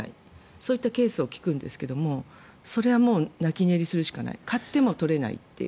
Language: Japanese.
そういったケースを聞くんですがそれはもう泣き寝入りするしかない勝っても取れないという。